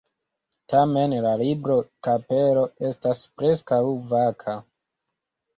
Tamen, la libro-kapelo estas preskaŭ vaka.